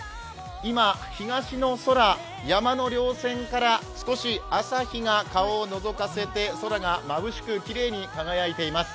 今、東の空、山のりょう線から少し朝日が顔をのぞかせて空がまぶしくきれいに輝いています。